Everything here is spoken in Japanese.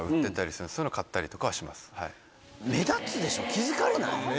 気付かれない？